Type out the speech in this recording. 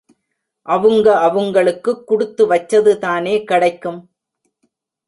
அவுங்க அவுங்களுக்குக் குடுத்து வச்சதுதானே கெடைக்கும்.